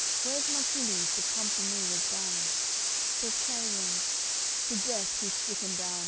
Where's Marsilies, to come to me was bound?" Says Clarien: "To death he's stricken down.